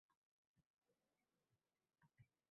Inson o‘zi bilmaydigan narsasini qanday qilib saqlaydi?